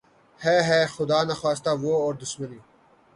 ھے ھے! خدا نخواستہ وہ اور دشمنی